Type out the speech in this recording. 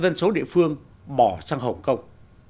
bằng một mươi bốn dân số địa phương bỏ sang hồng kông